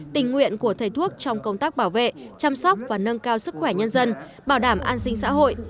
tình nguyện của thầy thuốc trong công tác bảo vệ chăm sóc và nâng cao sức khỏe nhân dân bảo đảm an sinh xã hội